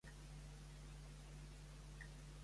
Qui és Cristina de Middel?